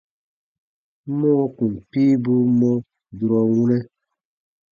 Mɔɔ kùn piibuu mɔ durɔ wunɛ: